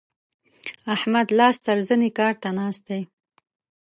احمد لاس تر زنې کار ته ناست دی.